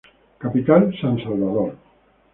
Capital: San salvador.